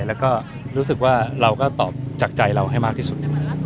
แล้วก็รู้สึกว่าเราก็ตอบจากใจเราให้มากที่สุดในวันนั้น